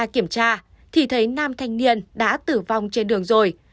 khi kiểm tra thì thấy năm thanh niên đã tử vong trên đường rồi